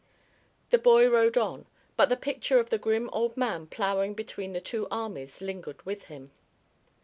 The boy rode on, but the picture of the grim old man ploughing between the two armies lingered with him.